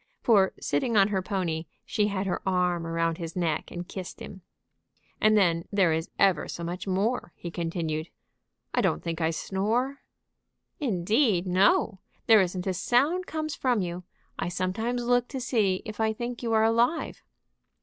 For, sitting on her pony, she had her arm around his neck and kissed him. "And then there is ever so much more," he continued. "I don't think I snore?" "Indeed, no! There isn't a sound comes from you. I sometimes look to see if I think you are alive."